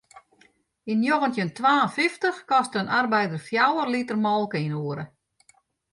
Yn njoggentjin twa en fyftich koste in arbeider fjouwer liter molke yn 'e oere.